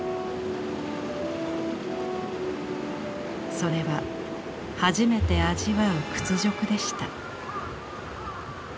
それは初めて味わう屈辱でした。